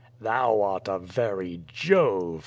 "Thou art a very Jove!"